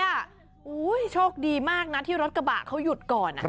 โอ้โหโชคดีมากนะที่รถกระบะเขาหยุดก่อน